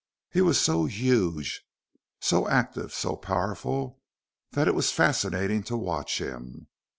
He was so huge, so active, so powerful that it was fascinating to watch him.